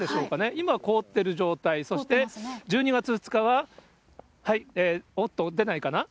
今、凍ってる状態、そして１２月２日は、おっと、出ないかな。